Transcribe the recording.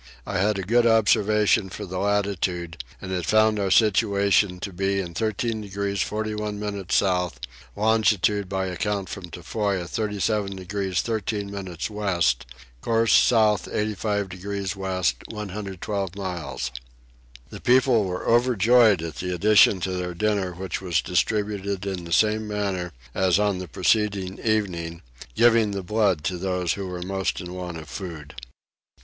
I had a good observation for the latitude, and found our situation to be in 13 degrees 41 minutes south; longitude by account from Tofoa 37 degrees 13 minutes west; course south 85 degrees west, 112 miles. The people were overjoyed at the addition to their dinner which was distributed in the same manner as on the preceding evening, giving the blood to those who were the most in want of food.